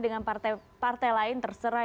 dengan partai lain terserah